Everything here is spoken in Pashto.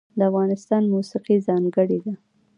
د افغانستان موسیقی ځانګړې ده